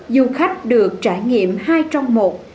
du khách được trải nghiệm hai trong một